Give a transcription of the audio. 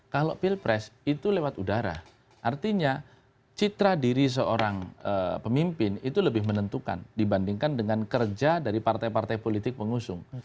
kalau pilpres itu lewat udara artinya citra diri seorang pemimpin itu lebih menentukan dibandingkan dengan kerja dari partai partai politik pengusung